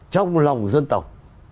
trong lòng dân tộc